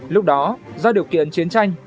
lúc đó do điều kiện chiến tranh